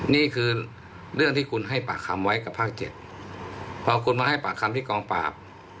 นี่คือเรื่องที่คุณให้ปากคำไว้กับภาค๗พอคุณมาให้ปากคำที่กองปราบ